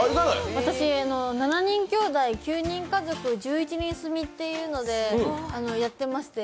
私、７人兄弟、９人家族１１人住みっていうので、やってまして。